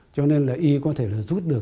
cho nên là y có thể là rút được